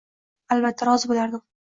Albatta, rozi bo`lardim